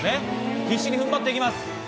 必死に踏ん張っていきます。